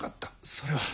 それは。